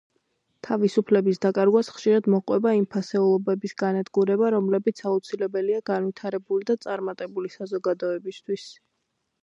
თავისუფლების დაკარგვას ხშირად მოჰყვება იმ ფასეულობების განადგურება, რომლებიც აუცილებელია განვითარებული და წარმატებული საზოგადოებისთვის.